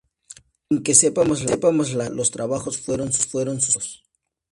Sin que sepamos la causa los trabajos fueron suspendidos.